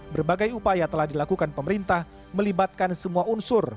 berbagai upaya telah dilakukan pemerintah melibatkan semua unsur